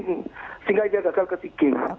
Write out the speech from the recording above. sehingga dia gagal ke siking